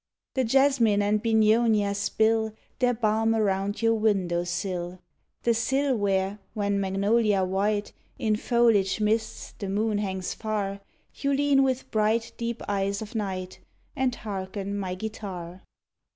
The jasmine and bignonia spill Their balm around your windowsill; The sill where, when magnolia white, In foliage mists, the moon hangs far, You lean with bright deep eyes of night And hearken my guitar.